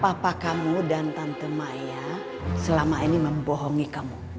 papa kamu dan tante maya selama ini membohongi kamu